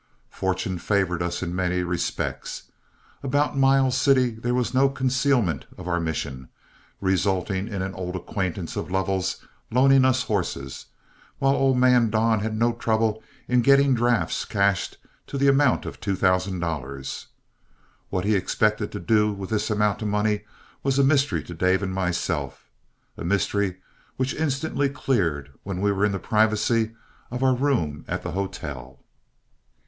Fortune favored us in many respects. About Miles City there was no concealment of our mission, resulting in an old acquaintance of Lovell's loaning us horses, while old man Don had no trouble in getting drafts cashed to the amount of two thousand dollars. What he expected to do with this amount of money was a mystery to Dave and myself, a mystery which instantly cleared when we were in the privacy of our room at the hotel.